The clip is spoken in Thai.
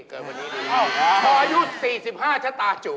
ขดอายุ๔๕ชะตาจุ